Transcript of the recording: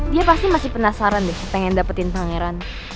dia pasti masih penasaran deh pengen dapetin pangeran